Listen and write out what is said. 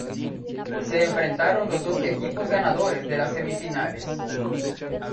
Se enfrentaron los dos equipos ganadores de las semifinales.